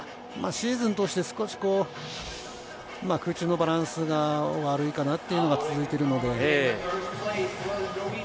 シーズンを通して空中のバランスが悪いかなと言いのが続いているので。